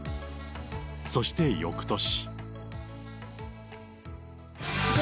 そしてよくとし。